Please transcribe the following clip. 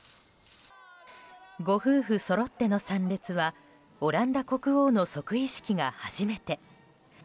ご夫婦そろっての参列はオランダ国王の即位式が初めて。